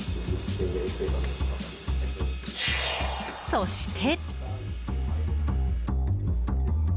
そして。